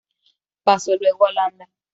Pasó luego a Holanda.